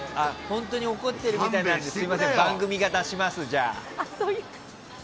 本当に怒っているみたいなのですみません、番組が出しますじゃあ。